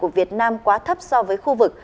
của việt nam quá thấp so với khu vực